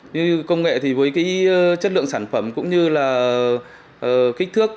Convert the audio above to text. như công nghệ thì với cái chất lượng sản phẩm cũng như là kích thước